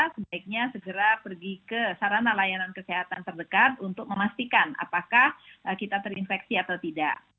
sebaiknya segera pergi ke sarana layanan kesehatan terdekat untuk memastikan apakah kita terinfeksi atau tidak